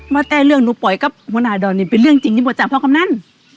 ว่าแต่เรื่องหนูปล่อยกับหัวหน้าดอนนี่เป็นเรื่องจริงที่ประจำพ่อกำนัน